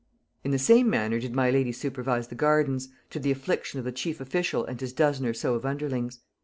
In the same manner did my lady supervise the gardens, to the affliction of the chief official and his dozen or so of underlings.